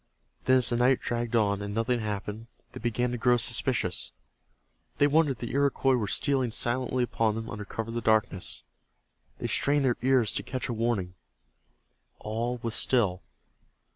Then as the night dragged on and nothing happened, they began to grow suspicious. They wondered if the Iroquois were stealing silently upon them under cover of the darkness. They strained their ears to catch a warning. All was still.